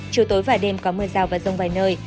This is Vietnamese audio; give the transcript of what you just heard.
chiều tối và đêm có mưa rào và rông vài nơi